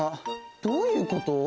どういうこと？